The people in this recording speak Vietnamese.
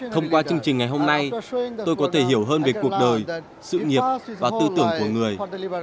thông qua chương trình ngày hôm nay tôi có thể hiểu hơn về cuộc đời sự nghiệp và tư tưởng của người